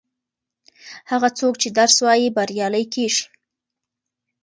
هغه څوک چې درس وايي بریالی کیږي.